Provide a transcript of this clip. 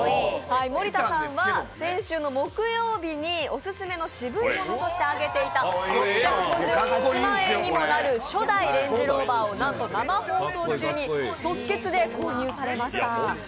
森田さんは先週の木曜日にオススメのシブいものとして挙げていた６５８万円にもなる初代レンジローバーをなんと、生放送中に即決で購入されました。